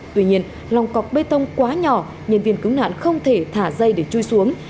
tuy nhiên lòng cọc bê tông quá nhỏ nhân viên cứu nạn không thể thả dây để chui xuống